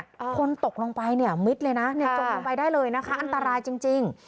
พร้อมตกลงไปเนี่ยมิดเลยนะในตามไปได้เลยนะอันตรายจริง